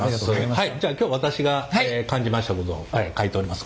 はいじゃあ今日私が感じましたことを書いております。